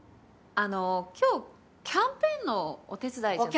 あの今日キャンペーンのお手伝いじゃ。